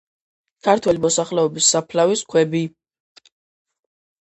ქართველი მოსახლეობის საფლავის ქვები.